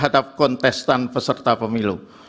dan testan peserta pemilu